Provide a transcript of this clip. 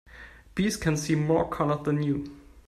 Bees can see more colors than you.